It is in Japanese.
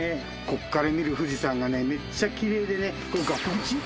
ここから見る富士山がめっちゃキレイでねこれ額縁？